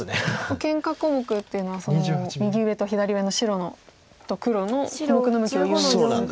けんか小目っていうのは右上と左上の白と黒の小目の向きをいうんですが。